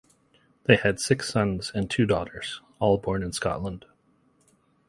They had six sons and two daughters, all born in Scotland.